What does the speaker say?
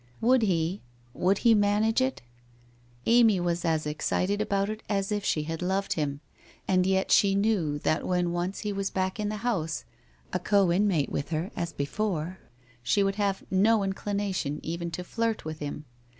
Would he — would he manage it ? Amy was as excited about it as if she had loved 109 110 WHITE ROSE OF WEARY LEAF him — and yet she knew that when once he was back in the house, a co inmate with her, as before, she would have no inclination even to flirt with him.